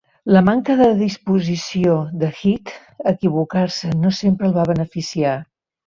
La manca de disposició de Head a equivocar-se no sempre el va beneficiar.